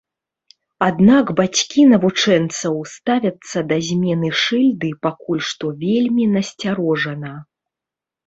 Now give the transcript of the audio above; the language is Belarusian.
Аднак бацькі навучэнцаў ставяцца да змены шыльды пакуль што вельмі насцярожана.